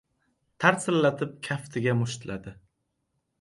Tarsillatib kaftiga mushtladi.